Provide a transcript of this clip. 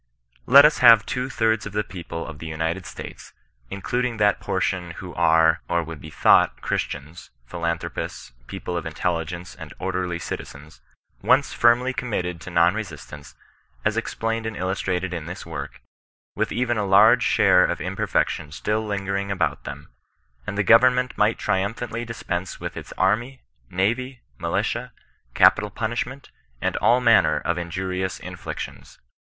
Let US hare two thirds of the people of the United States (including that portion who are^ or would be thought Christians, philanthropists, people of intelli gence and orderly citizens) once finnly committed to non resistance, as explained and illustrated in this work, with even a large share of imperfection still lingering about them, and the government might iaiumphantly dispense with its army, navy, miUtia, ca^utal punish ment, and all manner of injurious iiuflictions.